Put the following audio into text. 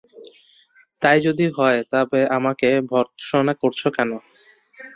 তাই যদি হয় তবে আমাকে ভর্ৎসনা করছ কেন?